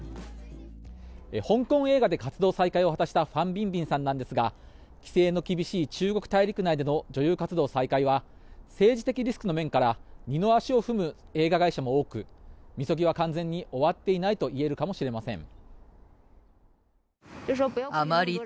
香港映画で活動再開を果たしたファン・ビンビンさんなんですが規制の厳しい中国大陸内での女優活動再開は政治的リスクの面から二の足を踏む映画会社も多くみそぎは完全に終わっていないといえるかもしれません。